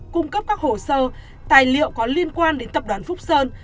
cung cấp các hồ sơ tài liệu có liên quan đến tập đoàn phúc sơn